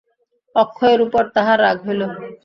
অক্ষয়ের উপর তাঁহার রাগ হইল।